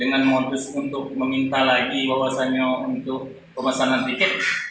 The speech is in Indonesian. dengan modus untuk meminta lagi bahwasannya untuk pemesanan tiket